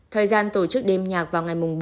thời gian tổ chức đêm nhạc vào ngày bốn năm sáu